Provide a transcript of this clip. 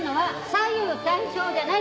・左右対称じゃない・